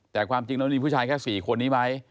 แต่ความจริงแล้วมีผู้ชายแค่๔คนนี้ไหม